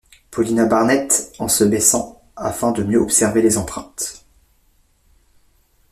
Paulina Barnett en se baissant afin de mieux observer les empreintes.